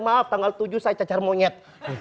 maaf tanggal tujuh saya cacar monyet